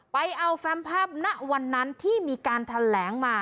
ไปเอาแฟมภาพณวันนั้นที่มีการแถลงมา